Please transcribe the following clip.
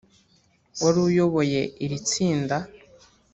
wari uyoboye iri tsinda